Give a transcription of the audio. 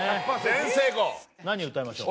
全成功何歌いましょう？